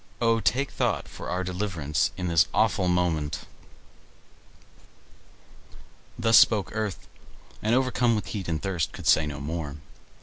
O, take thought for our deliverance in this awful moment!" Thus spoke Earth, and overcome with heat and thirst, could say no more.